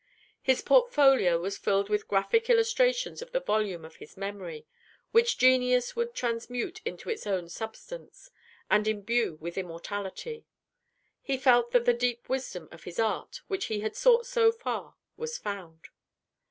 His portfolio was filled with graphic illustrations of the volume of his memory, which genius would transmute into its own substance, and imbue with immortality. He felt that the deep wisdom in his art, which he had sought so far, was found.